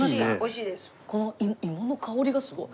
この芋の香りがすごい。